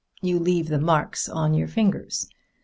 You leave the marks of your fingers.